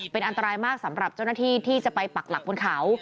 เป็นอันตรายมากสำหรับเจ้าหน้าที่ที่จะไปปักหลักบนเขา